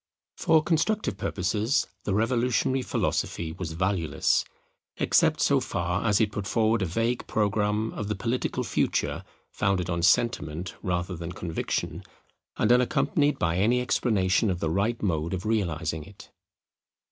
For constructive purposes the revolutionary philosophy was valueless; except so far as it put forward a vague programme of the political future founded on sentiment rather than conviction, and unaccompanied by any explanation of the right mode of realizing it.